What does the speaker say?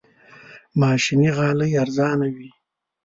ماشيني غالۍ ارزانه وي.